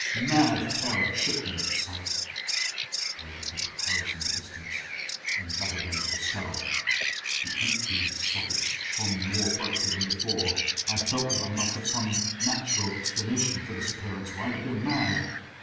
Mad terror shook me at the sight. I looked up at the houses in the distance, then back again to the skull; the empty sockets shone more brightly than before. I felt that I must have some natural explanation for this appearance or I would go mad.